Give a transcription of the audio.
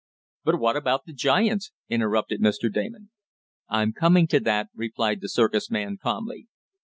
"But what about the giants?" interrupted Mr. Damon. "I'm coming to them," replied the circus man calmly.